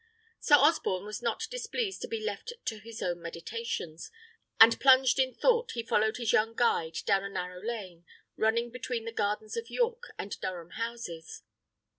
Sir Osborne was not displeased to be left to his own meditations; and plunged in thought, he followed his young guide down a narrow lane, running between the gardens of York and Durham Houses.